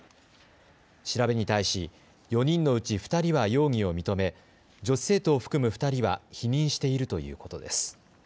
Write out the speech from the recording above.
調べに対し４人のうち２人は容疑を認め女子生徒を含む２人は否認しているということです。